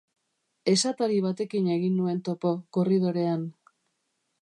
Esatari batekin egin nuen topo, korridorean.